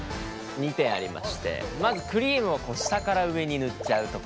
２点ありましてまずクリームを下から上に塗っちゃうところ。